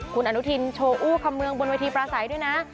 คุณอนุทินโชว์อู้คำเมืองบนเวทีปราศัยด้วยนะ